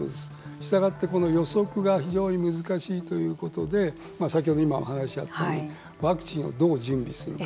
したがって、この予測が非常に難しいということで先ほどお話があったようにワクチンをどう準備するか。